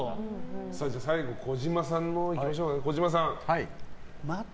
最後、児嶋さんのいきましょう。